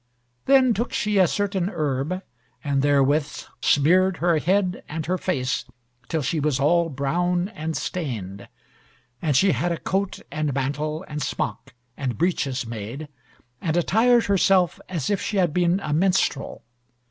Then took she a certain herb, and therewith smeared her head and her face, till she was all brown and stained. And she had a coat, and mantle, and smock, and breeches made, and attired herself as if she had been a minstrel.